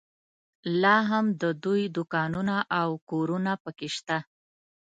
لا هم د دوی دوکانونه او کورونه په کې شته.